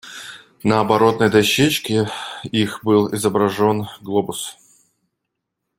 На оборотной дощечке их был изображен глобус.